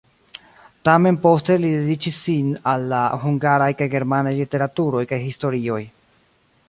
Tamen poste li dediĉis sin al la hungaraj kaj germanaj literaturoj kaj historioj.